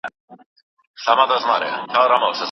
مذهبي لږکي د ډیرو بهرنیو سفارتونو خدمتونه نه لري.